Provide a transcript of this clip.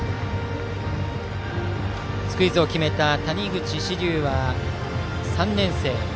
スクイズを決めた谷口志琉は３年生。